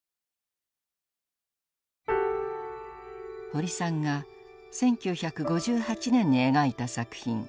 堀さんが１９５８年に描いた作品「連峯」。